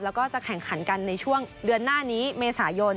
แล้วก็จะแข่งขันกันในช่วงเดือนหน้านี้เมษายน